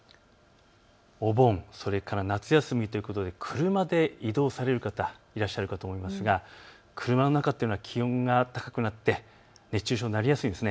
お盆、それから夏休みということで車で移動される方、いらっしゃるかと思いますが車の中というのは気温が高くなって熱中症になりやすいんです。